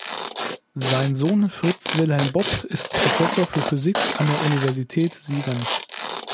Sein Sohn Fritz Wilhelm Bopp ist Professor für Physik an der Universität Siegen.